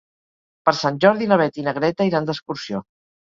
Per Sant Jordi na Beth i na Greta iran d'excursió.